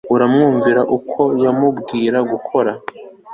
aramwumvira uko yamubwira gukora